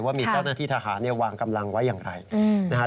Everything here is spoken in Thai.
ว่ามีเจ้าหน้าที่ทหารวางกำลังไว้อย่างไรนะครับ